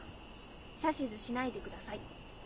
指図しないでください。